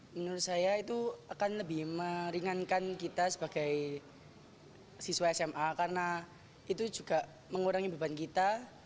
menurut saya itu akan lebih meringankan kita sebagai siswa sma karena itu juga mengurangi beban kita